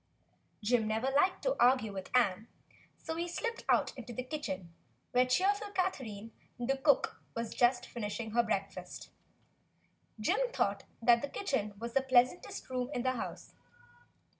Jim never liked to argue with Ann, so he slipped out into the kitchen, where cheerful Catherine, the cook, was just finishing her breakfast. Jim thought the kitchen was the pleasantest room in the house.